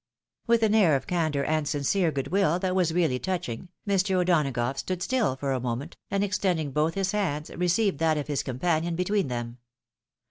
" With an air of candour and sincere good will that was really touching, Mr. O'Donagough stood still for a moment, and extending both his hands received that of his companion between them.